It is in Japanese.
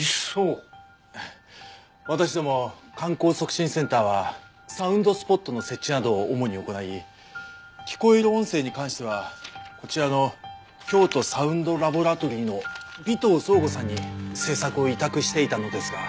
私ども観光促進センターはサウンドスポットの設置などを主に行い聞こえる音声に関してはこちらの京都サウンド・ラボラトリーの尾藤奏吾さんに制作を委託していたのですが。